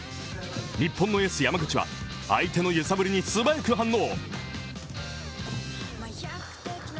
日本のエース山口は相手の揺さぶりに素早く反応。